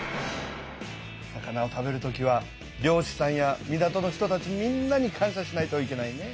魚を食べる時は漁師さんや港の人たちみんなに感しゃしないといけないね。